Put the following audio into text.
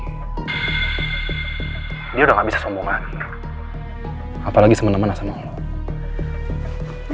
dinheiro apa lagi sama manas sama lo udah ngapain mbak andin riki kalau gua rasa ya mentalnya udah kena